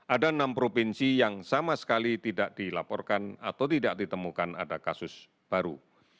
ada enam provinsi yang sama sekali tidak dilaporkan atau tidak ditemukan ada kasus baru